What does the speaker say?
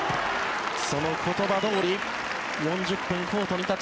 その言葉どおり４０分コートに立ち